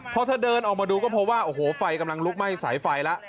พอเธอเดินออกมาดูก็พบว่าโอ้โหไฟกำลังลุกไหม้สายไฟแล้ว